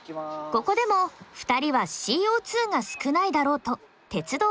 ここでも２人はＣＯが少ないだろうと鉄道を選択。